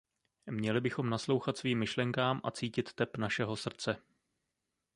Měli bychom naslouchat svým myšlenkám a cítit tep našeho srdce.